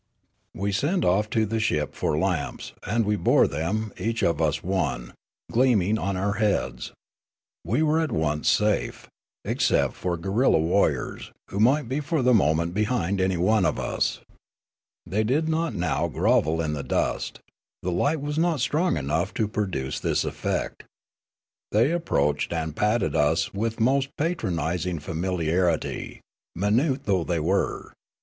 "We sent off to the ship for lamps, and we bore them, each of us one, gleaming on our heads. We were at once safe, except for guerilla warriors, who might be for the moment behind any one of us. They did not 3i6 Riallaro now grovel in the dust ; the light was not strong enough to produce this effect. They approached and patted us with most patronising familiarit}', minute though they were.